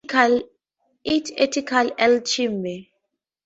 It's ethical alchemy.